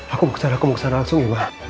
aku mau kesana aku mau kesana langsung ya mbak